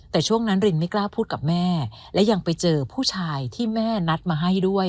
แต่ช่วงนั้นรินไม่กล้าพูดกับแม่และยังไปเจอผู้ชายที่แม่นัดมาให้ด้วย